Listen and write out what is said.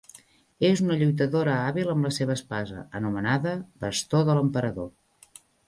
És una lluitadora hàbil amb la seva espasa, anomenada "Bastó de l'Emperador".